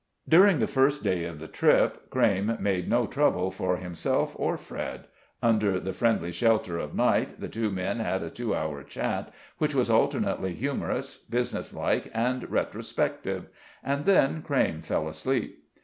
During the first day of the trip, Crayme made no trouble for himself or Fred; under the friendly shelter of night, the two men had a two hour chat, which was alternately humorous, business like, and retrospective, and then Crayme fell asleep.